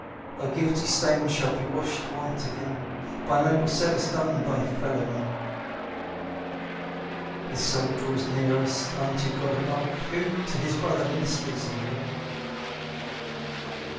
"Thy guilty stains shall be washed white again, By noble service done thy fellow men. "His soul draws nearest unto God above, Who to his brother ministers in love."